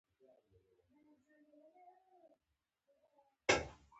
الوتکه له کور نه بهر نړۍ ته درته لاره خلاصوي.